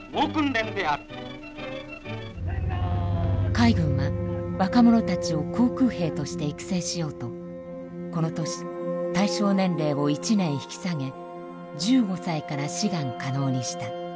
海軍は若者たちを航空兵として育成しようとこの年対象年齢を１年引き下げ１５歳から志願可能にした。